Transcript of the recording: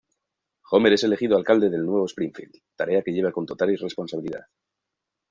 Homer es elegido alcalde del Nuevo Springfield, tarea que lleva con total irresponsabilidad.